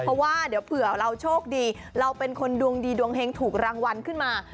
เพราะว่าเดี๋ยวเผื่อเราโชคดีเราเป็นคนดวงดีดวงเฮงถูกรางวัลขึ้นมา